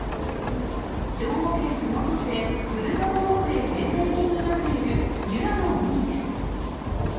兵庫県洲本市で、ふるさと納税返礼品になっている由良のウニです。